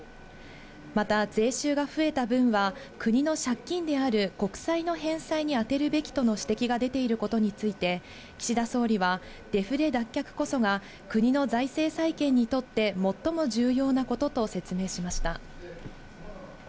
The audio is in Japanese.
また税収が増えた分は国の借金である国債の返済に充てるべきとの指摘が出ていることについて、岸田総理はデフレ脱却こそが国の財政再建にとって、最も重要なことと説明しました。